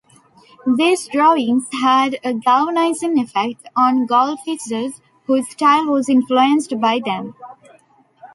These drawings had a galvanising effect on Goltzius whose style was influenced by them.